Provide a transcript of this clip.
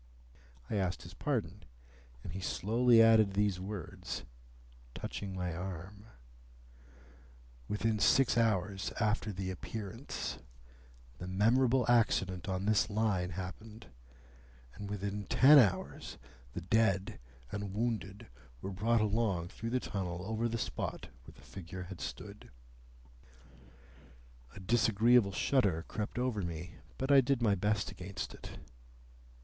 I asked his pardon, and he slowly added these words, touching my arm,— "Within six hours after the Appearance, the memorable accident on this Line happened, and within ten hours the dead and wounded were brought along through the tunnel over the spot where the figure had stood." A disagreeable shudder crept over me, but I did my best against it.